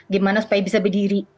gimana supaya bisa berdiri